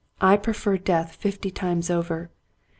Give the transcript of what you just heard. I prefer death fifty times over.